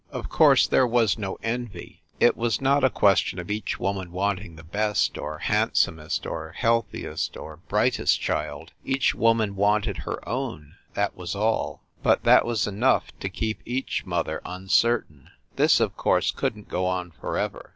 Of course, there was no envy; it was not a question of each woman wanting the best, or handsomest or healthiest or brightest child. Each woman wanted her own, that was all but that was enough to keep each mother uncertain. This, of course, couldn t go on for ever.